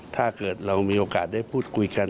ถ้าเกิดเรามีโอกาสได้พูดคุยกัน